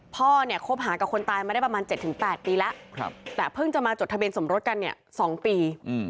พ่อเนี่ยคบหากับคนตายมาได้ประมาณ๗๘ปีแล้วแต่เพิ่งจะมาจดทะเบียนสมรสกันเนี่ย๒ปี